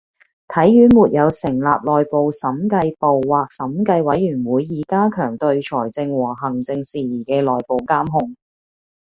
體院沒有成立內部審計部或審計委員會以加強對財政和行政事宜的內部監控